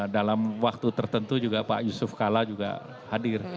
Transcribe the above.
dalam waktu tertentu juga pak yusuf kalla juga hadir